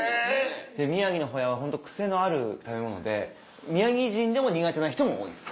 宮城のホヤはホント癖のある食べ物で宮城人でも苦手な人も多いです。